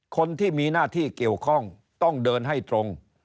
คนที่มีหน้าที่เกี่ยวข้องต้องเดินให้ตรง